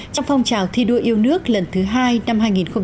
trong phong trào thi đua yêu nước lần thứ hai năm hai nghìn một mươi sáu